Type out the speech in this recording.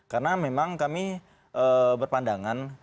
karena memang kami berpandangan